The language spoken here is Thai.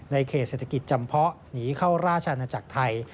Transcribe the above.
เขตเศรษฐกิจจำเพาะหนีเข้าราชอาณาจักรไทย